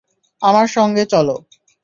আমার সঙ্গে চলো।